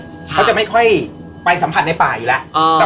เขาจะไม่ค่อยไปสัมผัสในป่าอยู่แล้ว